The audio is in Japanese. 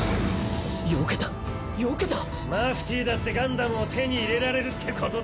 よけたよけた⁉マフティーだってガンダムを手に入れられるってことだ。